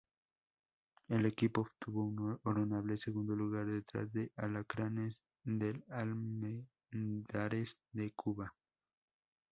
El equipo obtuvo un honorable segundo lugar detrás de Alacranes del Almendares de Cuba.